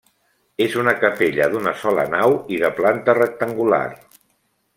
És una capella d'una sola nau i de planta rectangular.